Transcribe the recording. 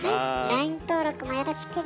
ＬＩＮＥ登録もよろしくね。